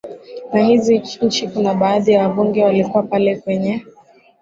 na hizi nchi kuna baadhi ya wabunge walikuwa pale kwenye